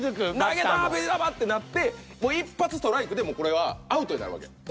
「投げた紅球！」ってなってもう一発ストライクでもうこれはアウトになるわけ。